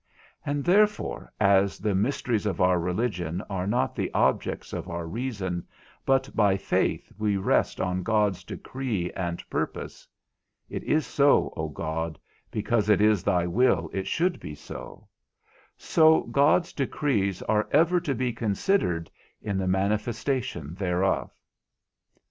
And therefore, as the mysteries of our religion are not the objects of our reason, but by faith we rest on God's decree and purpose (it is so, O God, because it is thy will it should be so) so God's decrees are ever to be considered in the manifestation thereof.